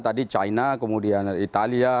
tadi china kemudian italia